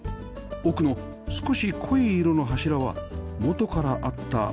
奥の少し濃い色の柱は元からあったものです